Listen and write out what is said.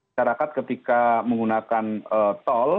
syarikat ketika menggunakan tol